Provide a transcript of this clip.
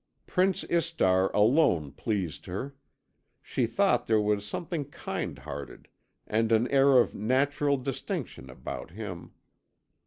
Prince Istar alone pleased her; she thought there was something kind hearted and an air of natural distinction about him.